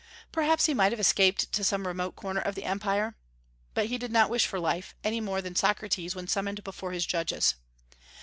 Perhaps he might have escaped to some remote corner of the Empire. But he did not wish for life, any more than did Socrates when summoned before his judges.